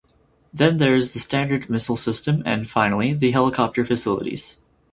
Then there is the Standard missile system and finally the helicopter facilities.